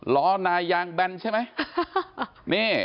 ล้อนายางแบนใช่ไหม